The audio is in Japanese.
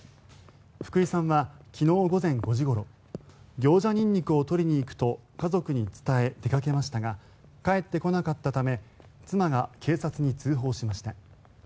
福井さんは昨日午前５時ごろギョウジャニンニクを取りに行くと家族に伝え、出かけましたが帰ってこなかったため妻が警察に通報しました。